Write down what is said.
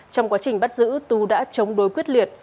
trong quá trình bắt giữ tú đã chống đối quyết liệt